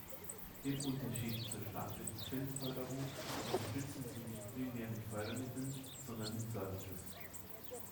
Im Unterschied zur staatlichen Filmförderung unterstützen sie nicht primär mit Fördermitteln, sondern mit Services.